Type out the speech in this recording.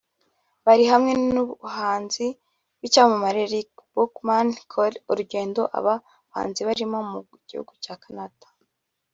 Bari hamwe n’umuhanzi w’icyamamare RickBuckman Cole Urugendo aba bahanzi barimo mu gihugu cya Canada